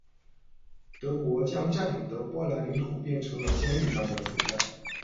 德国将占领的波兰领土变成了监狱般的存在。